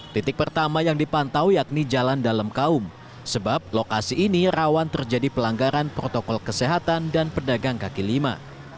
titik pertama yang dipantau yakni jalan dalam kaum sebab lokasi ini rawan terjadi pelanggaran protokol kesehatan dan pedagang kaki lima